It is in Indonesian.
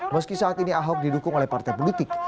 meski saat ini ahok didukung oleh partai politik